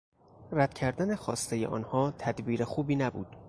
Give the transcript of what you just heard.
رد کردن خواستهی آنها تدبیر خوبی نبود.